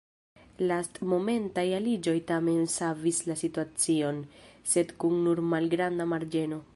Lastmomentaj aliĝoj tamen savis la situacion, sed kun nur malgranda marĝeno.